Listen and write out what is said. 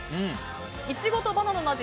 イチゴとバナナの味